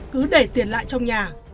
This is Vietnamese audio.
cứ để tiền lại trong nhà